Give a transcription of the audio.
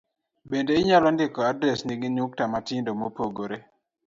Bende inyalo ndiko adresni gi nukta matindo mopogore